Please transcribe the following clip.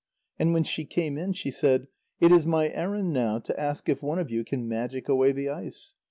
And when she came in, she said: "It is my errand now to ask if one of you can magic away the ice."